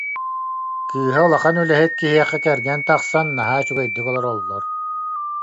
Кыыһа улахан үлэһит киһиэхэ кэргэн тахсан, наһаа үчүгэйдик олороллор